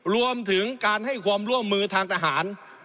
รวมถึงการให้ความร่วมมือทางทหาร